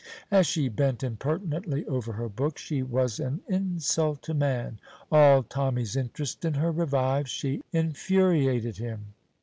As she bent impertinently over her book, she was an insult to man. All Tommy's interest in her revived. She infuriated him.